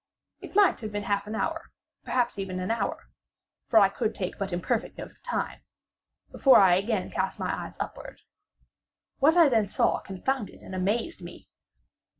It might have been half an hour, perhaps even an hour, (for I could take but imperfect note of time) before I again cast my eyes upward. What I then saw confounded and amazed me.